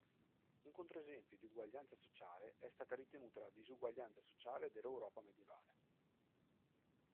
Un controesempio di uguaglianza sociale è stata ritenuta la disuguaglianza sociale dell'Europa medievale.